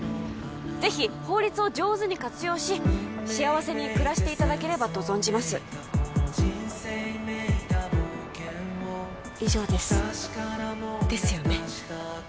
ぜひ法律を上手に活用し幸せに暮らしていただければと存じます以上ですですよね？